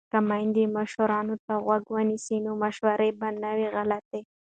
که میندې مشرانو ته غوږ ونیسي نو مشوره به نه وي غلطه.